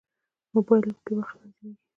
موبایل کې وخت تنظیمېږي.